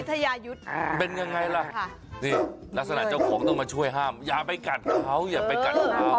เป็นยังไงล่ะนี่ลักษณะเจ้าของต้องมาช่วยห้ามอย่าไปกัดเขาอย่าไปกัดเขา